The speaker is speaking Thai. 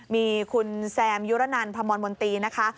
มีคุณแซมยุรนันพมรมนตรีนะคะ